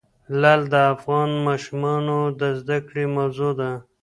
لعل د افغان ماشومانو د زده کړې موضوع ده.